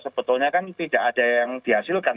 sebetulnya kan tidak ada yang dihasilkan